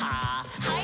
はい。